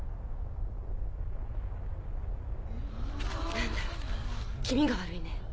何だろう気味が悪いね。